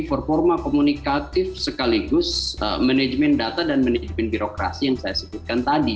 performa komunikatif sekaligus manajemen data dan manajemen birokrasi yang saya sebutkan tadi